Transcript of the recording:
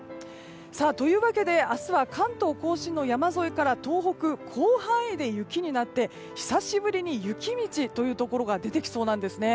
明日は関東・甲信の山沿いから東北広範囲で雪になって、久しぶりに雪道というところが出てきそうです。